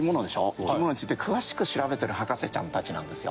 生き物について詳しく調べてる博士ちゃんたちなんですよ。